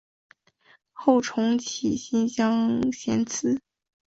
后崇祀新城乡贤祠。